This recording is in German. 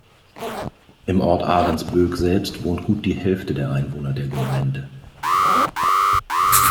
Im Ort Ahrensbök selbst wohnt gut die Hälfte der Einwohner der Gemeinde.